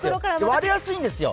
割れやすいんですよ！